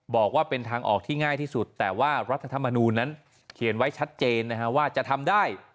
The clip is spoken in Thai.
บอกว่าเป็นทางออกที่ง่ายที่สุดแต่ว่ารัฐธรรมนูลนั้นเขียนไว้ชัดเจนนะฮะว่าจะทำได้